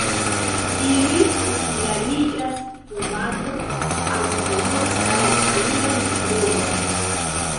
Ili popularigas fumadon, alkoholon kaj aliajn drogojn.